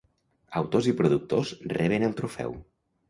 Autors i productors reben el trofeu.